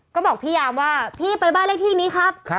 ก็บอกพี่ยามว่าพี่ไปบ้านเลขที่นี้ครับ